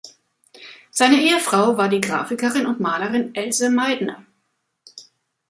Seine Ehefrau war die Grafikerin und Malerin Else Meidner.